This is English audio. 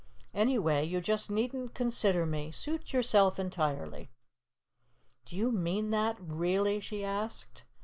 Anyway, you just needn't consider me. Suit yourself entirely." "Do you mean that? Really?" she asked.